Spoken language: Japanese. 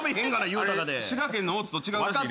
あれ滋賀県の大津と違うらしいで。